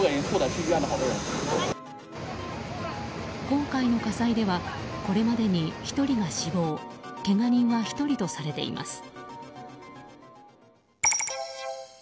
今回の火災ではこれまでに１人が死亡けが人は１人とされています。